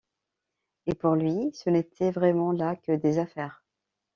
Et pour lui, ce n’étaient vraiment là que des affaires.